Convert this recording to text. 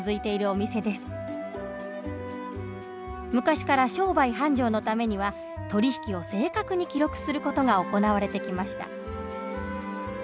昔から商売繁盛のためには取り引きを正確に記録する事が行われてきました。